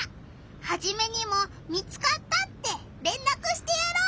ハジメにも見つかったってれんらくしてやろう！